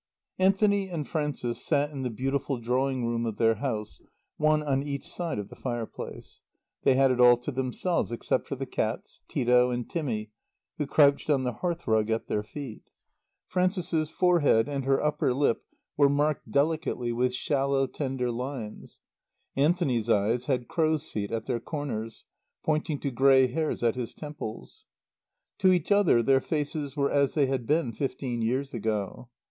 Anthony and Frances sat in the beautiful drawing room of their house, one on each side of the fireplace. They had it all to themselves, except for the cats, Tito and Timmy, who crouched on the hearthrug at their feet. Frances's forehead and her upper lip were marked delicately with shallow, tender lines; Anthony's eyes had crow's feet at their corners, pointing to grey hairs at his temples. To each other their faces were as they had been fifteen years ago.